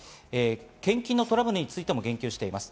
献金のトラブルについても言及しています。